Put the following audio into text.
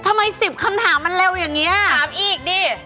๑๐คำถามมันเร็วอย่างนี้ถามอีกดิ